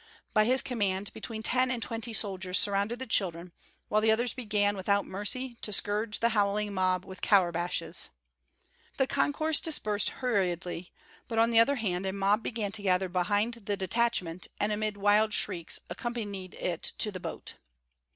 By his command between ten and twenty soldiers surrounded the children, while the others began, without mercy, to scourge the howling mob with courbashes. The concourse dispersed hurriedly, but on the other hand a mob began to gather behind the detachment and amid wild shrieks accompanied it to the boat.